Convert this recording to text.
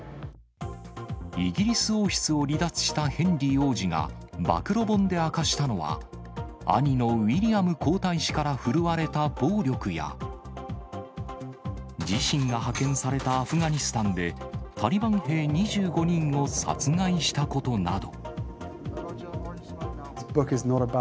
イギリス王室を離脱したヘンリー王子が暴露本で明かしたのは、兄のウィリアム皇太子から振るわれた暴力や、自身が派遣されたアフガニスタンで、タリバン兵２５人を殺害したことなど。